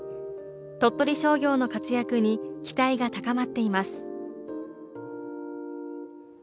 鳥取商業の活躍に期待が高まっています。